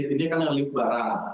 ini kan lift barang